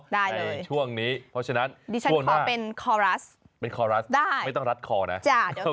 ได้เลยช่วงนี้เพราะฉะนั้นดิฉันคอเป็นคอรัสได้ไม่ต้องรัดคอนะจะเดี๋ยวตาย